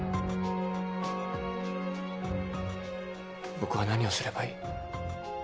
僕は何をすればいい？